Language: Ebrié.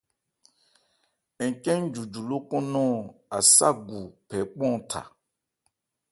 Ncɛ́n njunju lókɔn nɔn Aságu phɛ kpánhɔn tha.